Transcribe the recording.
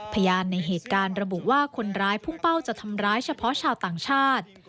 พยานในเหตุการณ์ระบุว่าคนร้ายพุ่งเป้าจะทำร้ายเฉพาะชาวต่างชาติ